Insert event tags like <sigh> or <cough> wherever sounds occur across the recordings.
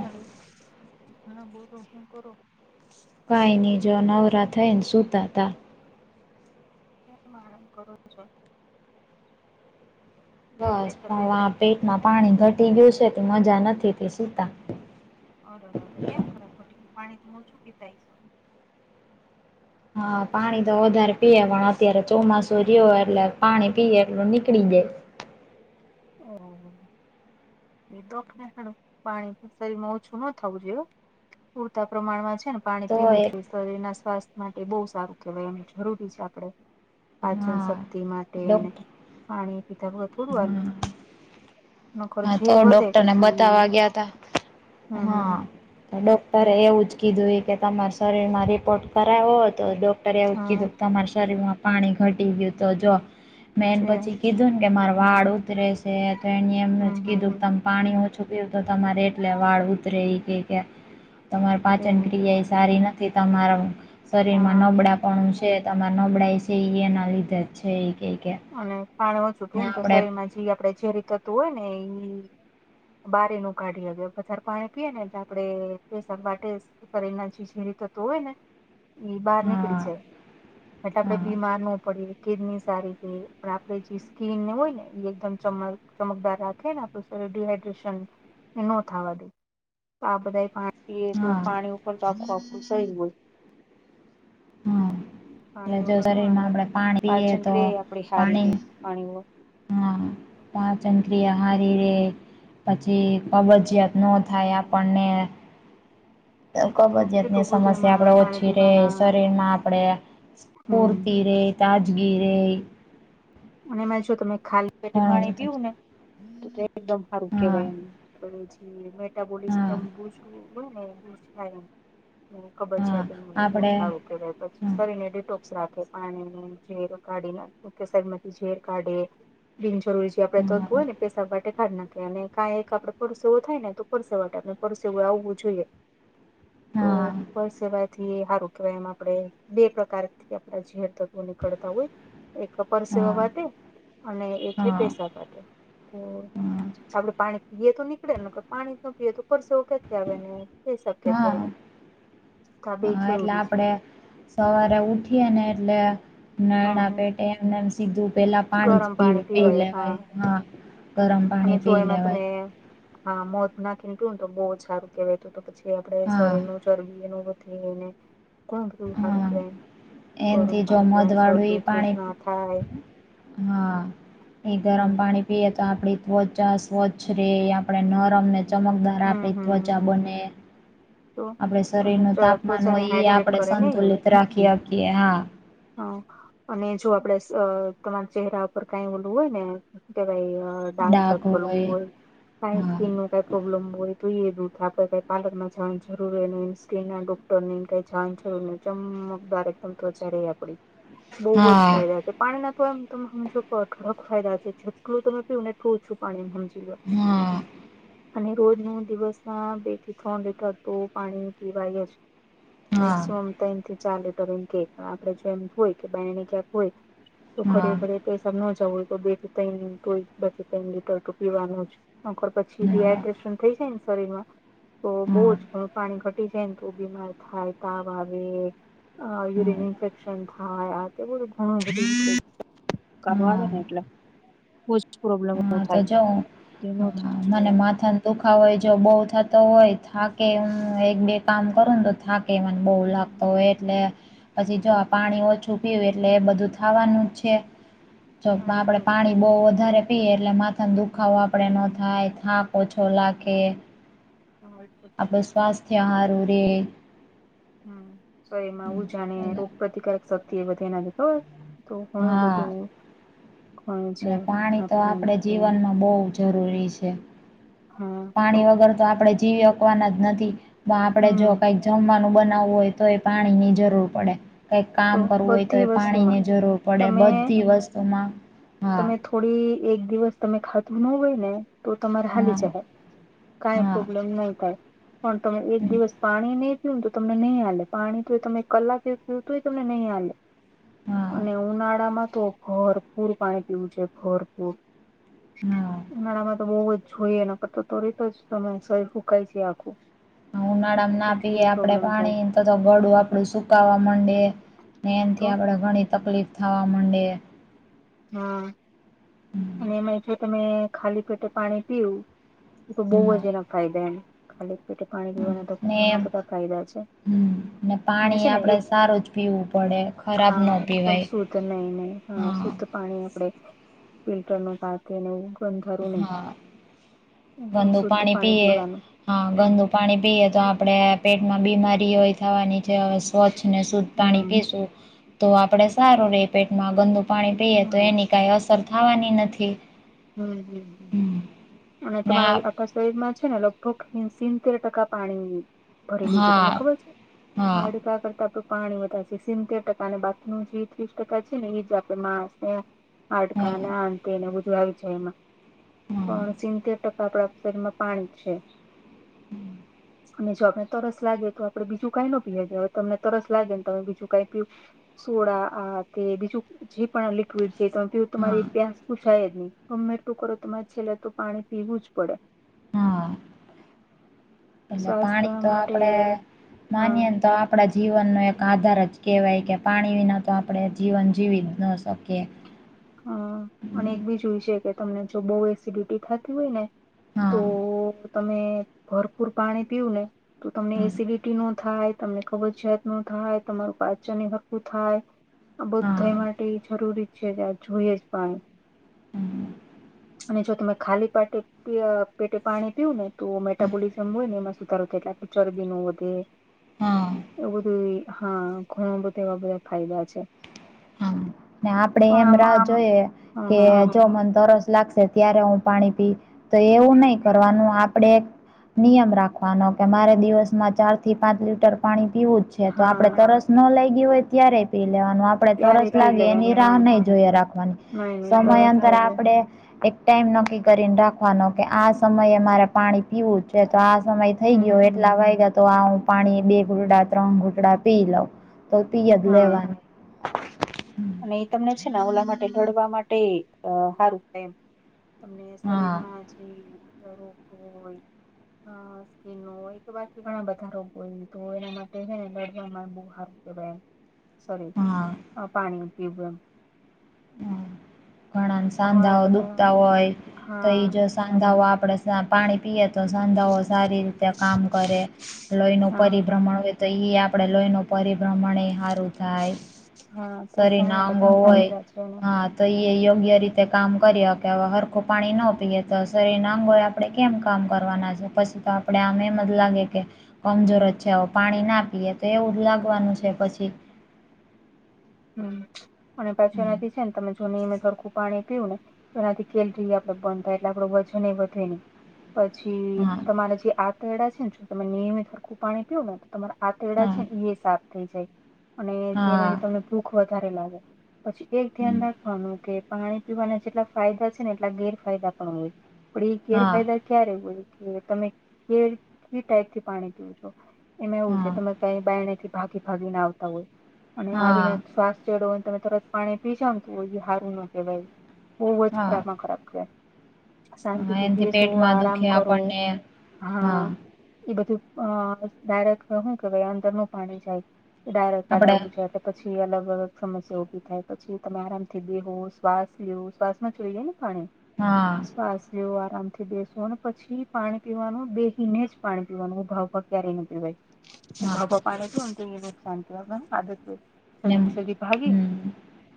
Hello, હા બોલો શું કરો? કાંઈની જો, નવરા થઈને સુતા તા. એમ આરામ કરો છો. એ બસ તબિયત પૌઆ પાણી ઠીક છે પેટમાં ને પાણી ઘટી ગયું છે, તે મજા નથી તે સુતા. અરરર કેમ ખ ખટી ગયું પાણી? તમે ઓછું પિતા હોઈસો હા, પાણી તો વધારે પીએ, પણ અત્યારે ચોમાસું જેયો એટલે, પાણી પીએ એટલુ નીકળી જાય. અરેરેરે એ ડોફને કારણે, પાણી શરીમાં ઓછું ન થવું જોઇએ. પૂરતા પ્રમાણમાં છે ને પાણી તો પીવું જ એક જોઈએ, શરીર ના સ્વાસ્થ્ય માટે બહુ સારું કેહેવાય, એમ જરૂરી છે આપડે. પાચન હા શક્તિ માટે ડોક્ટર પાણી પીતા બધ થોડું આવે હા હા તો ડોક્ટર ને પછી બતાવા ગયા તા હમ હમ હા હમ તો ડોક્ટરે એવું જ કીધું કે તમારા શરીર માં રિપોર્ટ કરાવો તો ડૉક્ટરે એવું જ હા કીધું તમારા શરીરમાં પાણી ઘટી ગયું તો જો મેન છે પછી કીધું ને કે મારે વાળ ઉતરે શે તો એ એમ હમ હમ કીધું કે હમ તમ પાણી ઓછું પીવું તો તમારે એટલે વાળ ઉતરે એ કે કે તમારી છે પાચન ક્રિયા એ સારી નથી તમારા શરીર માં હા નબળા પણું છે તમારે નબળાઈ છે એ એના લીધે જ છે એ ક કે અને પાણી ઓછું પી ને તો આપડે શરીર માં જે આપડણે ઝેરી થતું હોય ને ઈ બારીનું કાઢીએ વધારે પાણી પીએ ને એટલે આપડણે પસકવા ફ એના જી સરી તો તો હોય ને બહાર નીકળી હા જાય એટલે હા આપણેે બીમાર ન પડી કિડની સારી આપ જે સ્કીન હોય ને એમ ચ ચમકદાર રાખીને આપું શરીર ડિહાઈડ્રેશન એ ન થાવા દે આ બધા પાળી પીએ તો હા પાણી ઉપર આખુ આખુ સય હોય હા એ પાણી જો વગર ન શરીર માં હાલે આપણેે પાણી પીએ પાચન તો ક્રિયા આપડી હારી પાણી રે પાણી વગર. હા પાચંક્રિયા હારી રે પછી કબજીયાત નો થાય હમ આપણને તો કબજયાતની કેટલું બધું સમસ્યા આપણે એમાં પાણી ઓછી રે પીવાના શરીરમાં આપણેે હમ ફુરતી રે તાજગીરે અને એમાં જો તમે ખાલી પેટે ઘણું પાણી બધું પીવું ને એકદમ હારું હા કેવાય એ પછી મેટાબોલીસમ હા <unintelligible> બહુ હા આપણે સારું કેહેવાય પછી હા શરીર ને ટોસ રાખે પાણી ઝેર કાઢીને કેસરમાંથી ઝેર કાઢે બિન જરૂરી છે આપણે તોતું હોય ને પેસાબ માટે ખાડ નાખ અને કાં એક આપડે પરસેવો થાય ને તો પરસેવા આપણે પરસેવ આવવું જોઈએ તો હા પરસેવાય તે હારું કેવામ આમ આપડે બે પ્રકારથી આપડા ઝીર તત્વો નીકળતા હોય એક સેવા હા માટે અને એ છે હા <unintelligible> માટે તો આપડે પાણી પીએ તો નીકળે ને પાણી ન પીએ હા હા હા એટલે તો આપડે <unintelligible> સવારે ઉઠીએ ને એટલે હા નરણા હા પેટે એમને એ સીધું પેલા પાણી જ પી પી લેવાય હા ગરમ અને પાણી જો પી એમાં તમે લેવાય હા મોધ નાખીને ટું ને તો બહુ સારું કેહેવાય તું તો પછી આપડે હા શરીરનું ચરબી એનુ હા <unintelligible> - ગરમ એનથી જો પાણી મધ પીવાની વાળું શરદી એ ઉધરસ પાણી ના થાય- - હા એ ગરમ હમ પાણી- - તો આપડી ત્વચા સ્વચ્છ રે આપણેે નરમ ને- - ચમકદાર હમ આપણી હમ ત્વચા બને- તો - આપડે શરીર અને નું તાપમાન ત્વચાને હોય એ હાઈડ્રેટ આપડણે કરે ને એ. સંતુલિત રાખી આપકીએ હા. હા. અને જો આપડે તમારા ચહેરા ઉપર કઈ ઓલું હોય ને કે ભાઈ- - દાક સકલવું હોય- - કઈ હા સ્કીન નો કઈ પ્રોબ્લેમ હોય તો એ રૂડે કઈ પાર્લરમાં જવા- - જરૂ ન સ્કિન ડોક્ટર ની કઈ જણ જરૂર ન ચમકદાર એકદમ ત્વચા ર આપડી- - બહુ જ હા ફાયદા છે. પાણી ના તો એમ તમે સમજો કેટલોક ફાયદા છે જેટલું તમે પી ને એટલું ઓછું પાણી સમજી લો- - હ. અને રોજ ન દિવસમાં બે થી ત્રણ લીટર તો પાણી પીવાય જ- - હા મેક્સિમમ ત્રણ થી ચાર લીટર એ કેક આપે જો એમ હોય કે બની ક્યાંક હોય- - તો હા ખડી ખડી- - પૈસા ન જવું હોય તો બેથી તયથી ત લીટર તો પીવાનું જ. આખર પછી હા ડડીહાઈડ્રેશન થઈ જાય ને શરીર માં તો બહુ હા જ- - પાણી ઘટી જાયને તો બીમાર થાય તાવ આવે યુરીન હા ઇન્ફેક્શન થાય- - હા તો બધું ઘણું બધું કરવાનુ હા એટલે- - બોજ પ્રોબ્લમ- - હા તો જોઉં મને એમ માથા- - દુખાવ હોય જો બહુ થતો હોય થાકે હમ હું હમ એક બે કામ કરું ને તો થાકે- - કેમને બહુ હમ હમ લાગતો હમ હોય એટલે પછી જો પાણી ઓછું પીયું એટલે બધું- - હા વાનું હા એ આપે તો છે પાણી ભાઈ. બહ વધારે પીએ એટલે મા- - ત દુખાવ આપણે હમ હમ ન હમ થાય થાંક ઓછો લાગે. હા એ તો છે આપડો સ્વાસ્થ્ય હારુ રે- - હમ શરીરમાં ઉજા ને અને રોગપ્રતિકારક શક્તિ એ બે એનાથી ખબર પણ- - તો હણ બધું- - એટ પાણી તો આપડે બેન જીવનમાં બહુ જરૂરી છે. પાણી વગર તો આપણે જીવી શકવાના જ નથી પણ આપડે હમ જો કઈક- - જમવાનું બનાવવું હોય તો એ પાણી ની જરૂર પડે- - કંઈક કામ તો કરવું હોય તો બધી એ વસ્તુમાં પાણીની જરૂર પડે તમે બધી વસ્તુમાં હા- તમે - થોડી એક દિવસ તમે ખાતું ન હોય ને તો તમારે હાલી હા જાય- - કઈ હા પ્રોબ્લેમ નહી થાય. પણ તમે એક દિવસ પાણી નહી પીવુંને તો તમને નહીં હાલે પાણી તો એ તમે કલાકે પી તો - - તમને નહી હાલે હા અને ઉનાળામાં તો- - ભરપૂર પાણી પીવુ જોઈએ ભરપૂર- - હા. ઉનાળામાં તો બહવ જ જોઈએને તો તો રતો જ તમે શરીર ફૂંકાય છે આખું- - ઉનાળામાં ના પીએ આપડણે થાય પાણી તો તો ગળું આપડું સુકાવા માંડે- - ને તો એમથી આપણેે ઘણી તકલીફ થવા માંટે- - હા અને એમાં છે તમે ખાલી પેટે પાણી પીવું- - એ તો બઉ જ હા એના ફાયદા એમ ખાલી પેટે પાણી પીવાના તો ને ઘણા બધા ફાયદા છે. હમ ને અને પાણી છે ને આપડે એક સારું જ પીવું પડે ખરાબ ના પીવાય. ધ નઈને હા શુદ્ધ પાણી આપણેે ફિલ્ટર ન પાત- - તેને ગંધારું નહી હા એકદમ ગંદુ શુદ્ધ પાણી પીએ પીવાનું. હા ગંદુ પાણી પીએ તો આપણે પેટમાં બીમારીઓય થવાની છે. ત સ્વચ્છ ને શુદ્ધ પાણી હમ પીશું તો આપડે સારું રહી પેટમાં ગંદુ પાણી પીએ તો એની- - કયા સરખાવાની નથી. હમ હમ અને ને તમા આ અંકશ. શરીરમાં છે ને લગભગ સિતતેર ટકા પાણીની. ભરેલું છે હા તમને ખબર છે હા હાર્ડ. કરતાડું પાણી વધ સિતતેર ટકા અને બાકીનું જે ત્રીસ ટકા છે ને એ જ આપે માણસ હાડકા અને હા આંતને બધું આવી જાય એમાં હા પણ સિતતેેર ટકા. આપડા શરીરમાં પાણી છે. અને જો આપડણે તરસ લાગે તો આપડે બીજું કાઈ ન પીએ ગએ હવે તમને તરસ લાગે ને તમે બીજું કાઈ પીયું. સોડા આ તે બીજું જે પણ લિક્વિડ છેું હા તમારી પ્યાસ. પૂછાય નહી ગમે એટલું કરો તમારે છેલ્લે તો પાણી પીવું જ પડે. હા એટલે સ્વાસ્થ્ય પાણી તો માટે આપડે હા માન્ય તો આ. આપણા જીવનનો એક આધાર જ કહેવાય કે પાણી વિના તો આપણે જીવન જીવી જ ન શકીએ. હા અને એક બીજુંય છે કે તમને જો બહુ એસિડિટી થતી હોય ને. હા તો તમે ભરપૂર પાણી પીયું ને. તો તમને હા એસિડિટી નો થાય તમને કબજિયાત ન થાય તમારું કચન ભકું થાય. આ હા બધધ એ માટે જરૂરી છે કે આ જોઈએ જ પણ. હમ અને જો તમે ખાલી પાર્ટી. પેટે પાણી પીવું ને તો મેટાબોલિઝમ હોય ને એમાં સુધારો થાય એટલે ચરબી ન વધે. હા એવ બધું હા ઘણા બધા એવા બધા ફાયદા છે. હા ને આપડે પણ એમ આમ રાહ જોઈએ હા કે હા હા જો મને તરસ લાગશે. ત્યારે હું પાણી પી તો એવું નહી કરવાનું આપડે નિયમ રાખવાનો કે મારે દિવસમાં ચાર થી પાંચ લીટર પાણી પીવું જ. તો આપડણે હા તરસ ન લઈ ગય હોય ત્યારે પી લેવાનું આપણે ત્યારે તરસ પી લાગે એની લેવાનું રાહ હા નહી જોઈએ રાખવાની નહી નહી સમય તરસ અંતર લાગે આપણેે ટાઈમ નક્કી કરીને રાખવાનો કે આ સમયે મારે પાણી પીવું છે તો આ સમય થઈ હમ ગયો હમ એટલા હમ વાય ગયા તો આ હું પાણી બે ઘૂટડા ત્રણ ઘૂટડા પી લઉ. તો ત પીઈ જ હા લેવાનું અને એ તમને છે ને ઓલા માટે ઘડવા માટે સારુંમ તમને શરીર હા માં જે રોગવ હોય સ્કીન ન એક બાકી ઘણા બધા રોગો તો એના માટે છે ને લડવામાં બહુ હારું કેવાય. શરીર હા પાણી પીવું એમ. હ ઘણા ઘણા સાંધાઓ બધા દુખતા હોય તો એઈ હા જ સાંધા આપડે પાણી પીએ. તો સાંધાઓ સારી રીતે કામ કરે લોહીનું હા પરિભ્રમણ તો એ આપડે લોહીનું પરિભ્રમણ એ હારું. હા તો ઘણા અંગો બધા હોય ફાયદા છે. એને હા તો એ યોગ્ય રીતે કામ કરી હકે હરખું પાણી ન પીએે તો શરીર ના અંગો આપણેે કેમ કામ કરવાના છે પછી તો આપડે આમ એમ જ લાગે કે, કમજોર જ છે પાણી ના પીએ તો એવું જ લાગવાનું છે. પછી હમ અને પછી હમ એનાથી છે ને તમે નિયમિત હરખુ પાણી પીવું ને તો એનાથી કેલરી આપડે બંધ થાય એટલે આપડું વજન એ વધે નહી. પછી હા તમારા જે આંતરડા છે ને તમે નિયમિત સરખું પાણી પીઓ ને તમારા આંતરડા હા છે ને એ સાફ થઈ જાય અને હા જેનાથી તમને ભૂખ વધારે લાગે. પછી એક ધ્યાન રાખવાનું કે પાણી પીવાના જેટલા ફાયદા છે ને એટલા ગેરફાયદા પણ હોય પણ એ હા ગેરફાયદા ક્યારે એવું હોય કે તમે ટાઈપથી પાણી પીવું છો એમાં એવું છે હા તમે ક્યાંય બાયનેથી ભાગી ભાગીને આવતા હોય અને આવીને હા શ્વાસ ચડો તમે તરત પાણી પીશ હારું ના કે વાઈ બહુ જ હા ખરાબ હા માં ખરાબ કેવાય. શાંતિથી એનાથી બેસો પેટમાં આરામ દુખે કરો આપણને હા એ બધું અ ડાયરેક્ટ શું કેવાય અંદરનું પાણી જાય ડાયરેક્ટ આપડે કડાવવું જાય એટલે પછી અલગ અલગ સમસ્યા ઉભી થાય પછી તમે આરામથી બેેહો શ્વાસ લેવો શ્વાસમાં ચડી જાય ને પાણી. હા. શ્વાસ લેવો આરામથી બેસો અને પછી પાણી પીવાનું બેહિને જ પાણી પીવાનું ઉભા ઉભા ક્યારે નહીં પીવાઈ હા ઉભા ઉભા તો નુકસાન <inaudible> ને સગી સગદી ભાગી હમ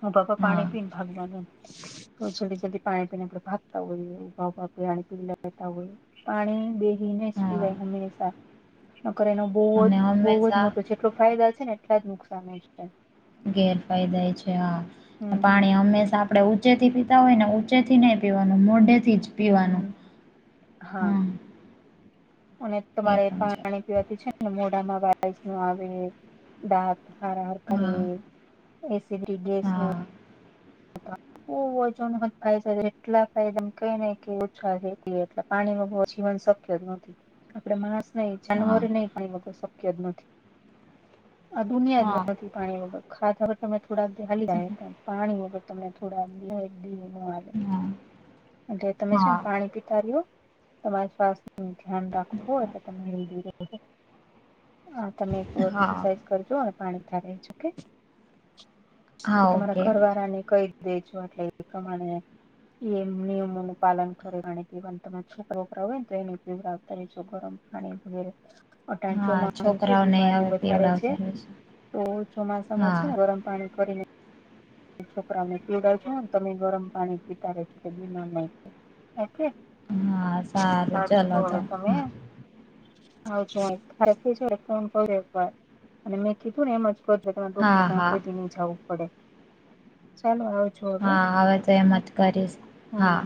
હ ઉભા હા પાણી પીન ભાગી <unintelligible> છો જલ્દી પાણીપીણી આપણે ભાાગતા હોય ઊભા ઊભા આપણે પીલાતા હોય. પાણી બેહીને જ હા પીવાય હંમેશા નકર એનો બહુ જ અને બહુ જ હંમેશા મોટો છે પ્રોફાઇલ હશે ને એટલા જ નુકસાન જ છે. ગેરફાયદા છે હા હમ હમ પાણી હંમેશા આપણે ઊંચેથી પીતા હોય ને ઊચેથી નહીં પીવાનું મોઢેથી જ હમ પીવાનું. હમ હા હમ. અને એ તમારે પણ છે પાણી પીવાતી છે ને મોઢામાં વાઈસ નું આવે દાંત હરા હાર કરે હા એસીબ <inaudible> હા <inaudible> થાય એટલાાય ઓછા છે એટ પાણી ન જીવન શક્તિ શકય નથી આપણે માણસ નઈ હા જાનવર નહી પણ એ વગર શક્ય જ નથી. હા <unintelligible> તમને થોડા લીનું હાલે, હા એટલે તમે છે હા ને પાણી પીતા રિયો તમારી સ્વાસ્થ્યનું ધ્યાન રાખવું એ તમે <unintelligible> હા તમે હા એક્સરસાઇઝ કરજો અને પાણી થા રેજો ઓકે. હા તમારા ઓકે ઘરવાળા ને કઈ દેજો એટલે એ પ્રમાણે એમને <unintelligible> પાલન કોરી ગણીવ અંત મકરા એનિવ તારે શું ગરમ પાણી વગેરે અટાણ હા ચોમાસું છે છોકરાઓને બીમારી હવે વધારે છે પીવડાવતા રહેશે તો ચોમાસામાં છે ને હા ગરમ પાણી કરીને છોકરાને પીવડાવ છે ને તમે ગરમ પાણી પીતાવે છો કે બીના ઓકે. હા સારું સાચું ચલો કહું તો છો તમે હા <unintelligible> અને મેં કીધું ને એમ જ <unintelligible> ડોક્ટર હા પાહે હા કોઈ દી ની જાઉં પડે ચાલો હવે હા હવે તો એમ જ કરીશ હા.